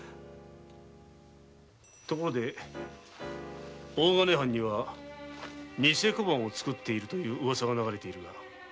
ところで大金藩にはニセ小判を造っているというウワサが流れているが。